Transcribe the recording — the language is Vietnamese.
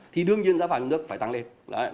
thì đương nhiên giá vàng trong nước phải tăng lên